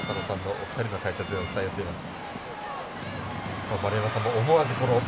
お二人の解説でお伝えをしています。